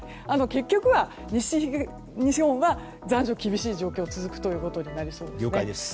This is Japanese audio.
結局は西日本は残暑厳しい状況が続くことになりそうです。